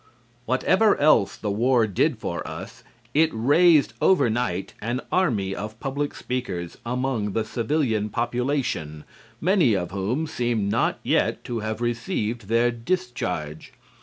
Whatever else the war did for us, it raised overnight an army of public speakers among the civilian population, many of whom seem not yet to have received their discharge.